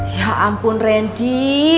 ya ampun rendy